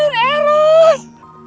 jangan tinggalin eros